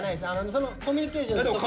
そのコミュニケーションとか。